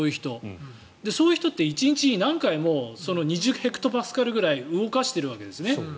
そういう人って１日に何回も２０ヘクトパスカルくらい動かしているわけですね。